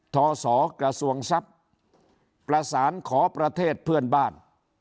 ทศกระทรวงทรัพย์ประสานขอประเทศเพื่อนบ้าน